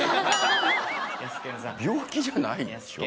病気じゃないでしょ？